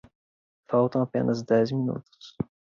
Faltam apenas dez minutos